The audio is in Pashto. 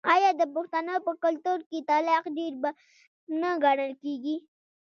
آیا د پښتنو په کلتور کې طلاق ډیر بد نه ګڼل کیږي؟